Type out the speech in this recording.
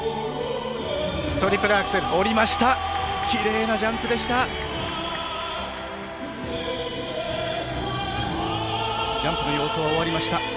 きれいなジャンプでした。